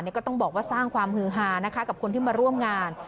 ก็ต้องบอกว่าสร้างความฮือฮานะคะกับคนที่มาร่วมงาน